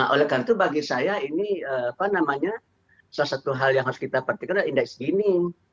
oleh karena itu bagi saya ini salah satu hal yang harus kita perhatikan adalah indeks dining